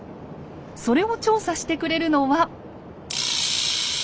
それを調査してくれるのは。